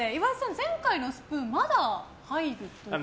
前回のスプーンはまだ入ると。